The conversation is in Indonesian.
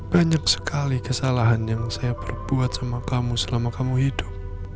banyak sekali kesalahan yang saya perbuat sama kamu selama kamu hidup